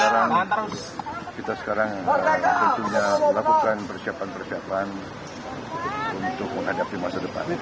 dan kita sekarang tentunya melakukan persiapan persiapan untuk menghadapi masa depan